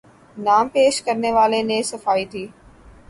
نام پیش کرنے والے نے صفائی دی